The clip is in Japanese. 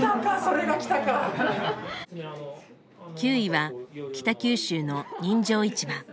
９位は「北九州の人情市場」。